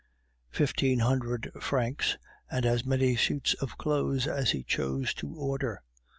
Fifteen hundred francs, and as many suits of clothes as he chose to order!